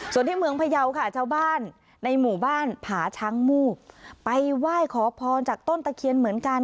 ส่วนที่เมืองพยาวค่ะชาวบ้านในหมู่บ้านผาช้างมูบไปไหว้ขอพรจากต้นตะเคียนเหมือนกัน